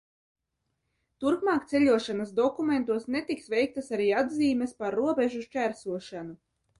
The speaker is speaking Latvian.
Turpmāk ceļošanas dokumentos netiks veiktas arī atzīmes par robežu šķērsošanu.